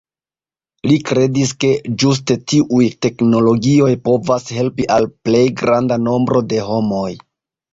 Li kredis, ke ĝuste tiuj teknologioj povas helpi al plej granda nombro de homoj.